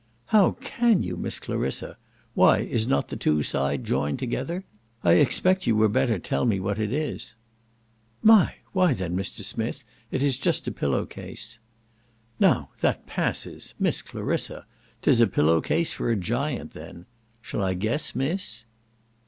"How can you. Miss Clarissa! why is not the two side joined together? I expect you were better tell me what it is." "My! why then Mr. Smith, it is just a pillow case." "Now that passes. Miss Clarissa! 'Tis a pillow case for a giant then. Shall I guess, Miss?"